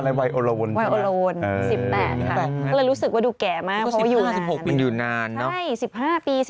๓ทางเองเหรออูยน้อยมากน่ะผู้ชายอยู่นานนะ